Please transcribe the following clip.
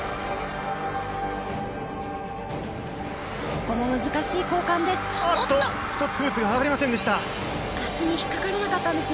ここも難しい交換です。